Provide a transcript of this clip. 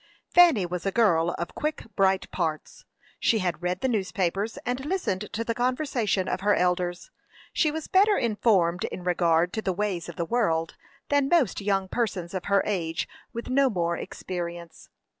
Fanny was a girl of quick, bright parts. She had read the newspapers, and listened to the conversation of her elders. She was better informed in regard to the ways of the world than most young persons of her age with no more experience.